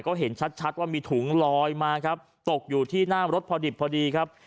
ก็เห็นชัดว่ามีถุงลอยมาครับตกอยู่ที่หน้ารถพอดิบพอดีครับ